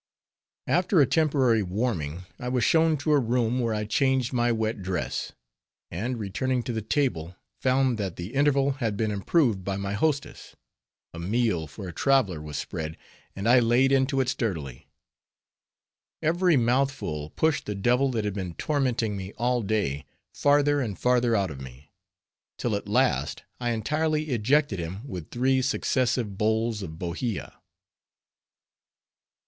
After a temporary warming, I was shown to a room, where I changed my wet dress, and returning to the table, found that the interval had been well improved by my hostess; a meal for a traveler was spread and I laid into it sturdily. Every mouthful pushed the devil that had been tormenting me all day farther and farther out of me, till at last I entirely ejected him with three successive bowls of Bohea.